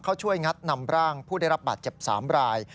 ช่วยงัดนำร่างผู้ได้รับบาดเจ็บ๓ราย